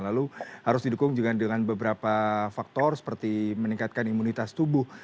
lalu harus didukung juga dengan beberapa faktor seperti meningkatkan imunitas tubuh